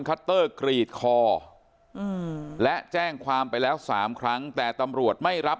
คัตเตอร์กรีดคอและแจ้งความไปแล้ว๓ครั้งแต่ตำรวจไม่รับ